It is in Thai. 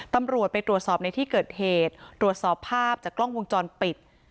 ตำรวจไปตรวจสอบในที่เกิดเหตุตรวจสอบภาพจากกล้องวงจรปิด